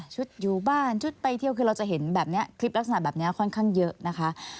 อยู่บ้านชุดไปเที่ยวคือเราจะเห็นแบบนี้คลิปลักษณะแบบนี้ค่อนข้างเยอะนะคะ